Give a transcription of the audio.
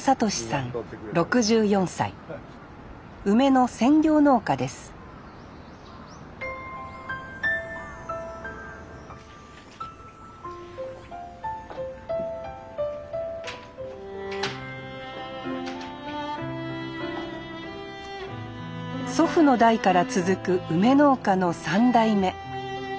梅の専業農家です祖父の代から続く梅農家の３代目。